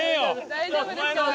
大丈夫ですから。